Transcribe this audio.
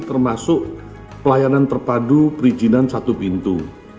termasuk pelayanan terpadu perizinan satu pintu